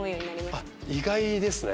あっ意外ですね。